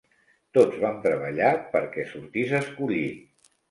Tots vam treballar perquè sortís escollit.